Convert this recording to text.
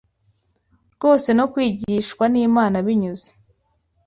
rwose no kwigishwa n’Imana binyuze